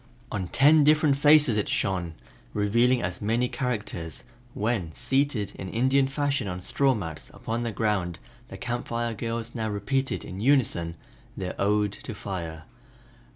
On ten different faces it shone, revealing as many characters when, seated in Indian fashion on straw mats upon the ground, the Camp Fire girls now repeated in unison their "Ode to Fire."